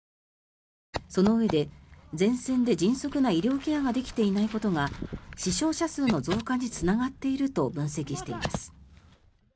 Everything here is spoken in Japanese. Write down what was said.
そのうえで前線で迅速な医療ケアができていないことが死傷者数の増加につながっていると分析しています。